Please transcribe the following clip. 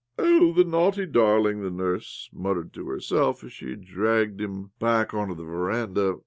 " Oh, the naughty darling !" the nurse muttered to herself as she dragged him back on to the veranda.